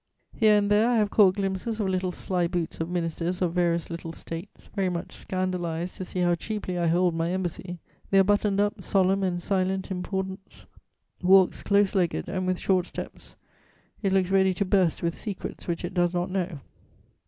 Here and there I have caught glimpses of little sly boots of ministers of various little States, very much scandalized to see how cheaply I hold my embassy: their buttoned up, solemn and silent importance walks close legged and with short steps: it looks ready to burst with secrets which it does not know.